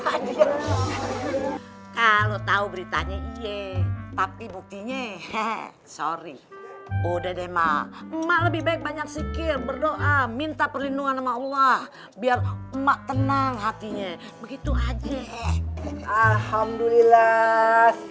sekarang ini gue dlm juga yg terb survivensi e ko ninety three another like he untuk aku mungkin kalau tidak mikir mikir amat pointe yg statements itu punya jangan hidup sama armanya dan buat they brep ada saat ini juga ada mohammed kenyan terlagak mitis karena btw mw mmp bye i have been arma to white i got mama free in love be happy to meet you back home that's why i need you back home now